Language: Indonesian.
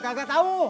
kalo lu kagak tau